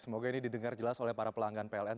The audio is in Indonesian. semoga ini didengar jelas oleh para pelanggan pln